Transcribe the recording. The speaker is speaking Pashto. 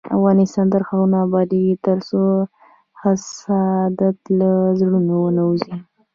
افغانستان تر هغو نه ابادیږي، ترڅو حسادت له زړونو ونه وځي.